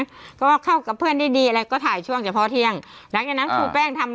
ฝั่งซ้ายฝั่งขวาแล้วตีกระทบตามจนฟันหลุดคืออืมใบหน้าของเด็กต้องมีรอยช้ำ